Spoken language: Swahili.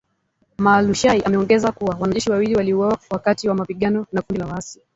Mualushayi ameongeza kuwa, wanajeshi wawili waliuawa wakati wa mapigano na kundi waasi.